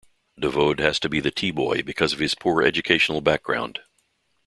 Davoud has to be the tea-boy because of his poor educational background.